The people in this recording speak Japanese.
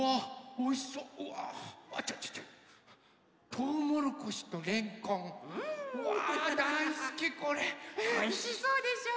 おいしそうでしょう？